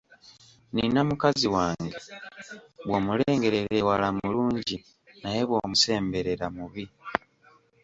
Nina mukazi wange; bw’omulengerera ewala mulungi naye bw'omusemberera mubi.